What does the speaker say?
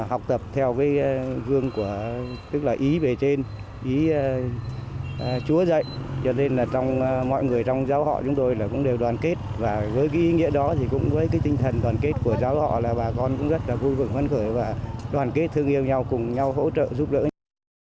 học tập theo cái gương của tức là ý về trên ý chúa dạy cho nên là trong mọi người trong giáo họ chúng tôi là cũng đều đoàn kết và với cái ý nghĩa đó thì cũng với cái tinh thần đoàn kết của giáo họ là bà con cũng rất là vui vấn khởi và đoàn kết thương yêu nhau cùng nhau hỗ trợ giúp đỡ nhau